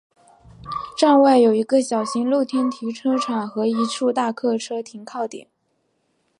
站外有一个小型露天停车场和一处大客车停靠点。